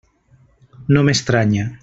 No m'estranya.